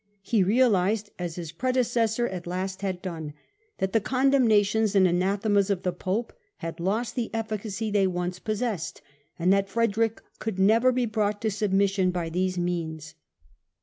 He realised, as his pre decessor at last had done, that the condemnations and anathemas of the Pope had lost the efficacy they once pos sessed, and that Frederick could never be brought to sub mission by these means.